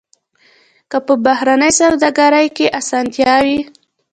که په بهرنۍ سوداګرۍ کې اسانتیا وي.